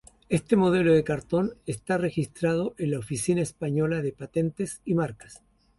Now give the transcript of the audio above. Este modelo de cartón está registrado en la Oficina Española de Patentes y Marcas.